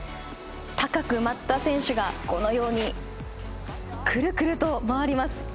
高く舞った選手がこのように、くるくると回ります。